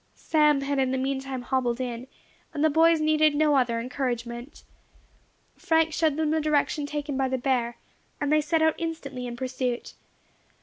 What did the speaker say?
Sam had in the meantime hobbled in, and the boys needed no other encouragement. Frank showed them the direction taken by the bear, and they set out instantly in pursuit.